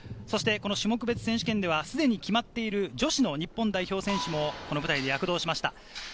この種目別選手権では、すでに決まっている女子の日本代表選手も、この舞台に躍動しました。